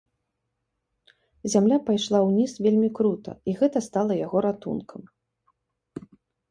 Зямля пайшла ўніз вельмі крута, і гэта стала яго ратункам.